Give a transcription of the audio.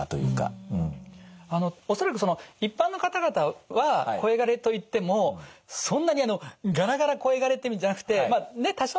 恐らく一般の方々は声がれといってもそんなにあのがらがら声がれって意味じゃなくてまあ多少の。